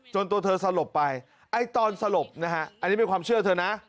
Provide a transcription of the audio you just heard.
ตัวเธอสลบไปไอ้ตอนสลบนะฮะอันนี้เป็นความเชื่อเธอนะ